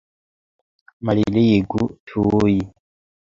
Malligu tuj!